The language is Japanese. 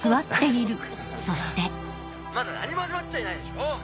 そしてまだ何も始まっちゃいないでしょ。